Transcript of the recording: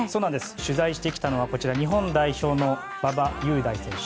取材してきたのは日本代表の馬場雄大選手。